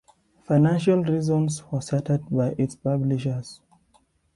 Financial reasons were cited by its publishers.